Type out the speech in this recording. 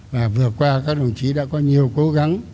và vừa qua các đồng chí đã có nhiều cố gắng